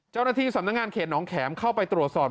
เจ้าหน้าที่สำนักงานเขตน้องแข็มเข้าไปตรวจสอบ